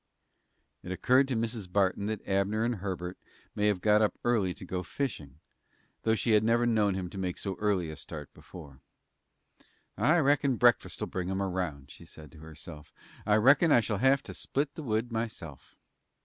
It occurred to Mrs. Barton that Abner and Herbert might have got up early to go fishing, though she had never known him to make so early a start before. "I reckon breakfast'll bring 'em round," she said to herself. "I reckon I shall have to split the wood myself."